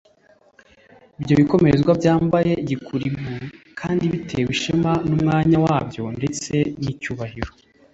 Ibyo bikomerezwa byambaye gikurigu kandi bitewe ishema n'umwanya wabyo ndetse n' icyubahiro